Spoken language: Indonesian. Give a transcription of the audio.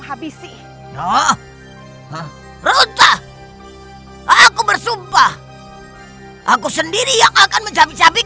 aku bersumpah aku sendiri yang akan mencapai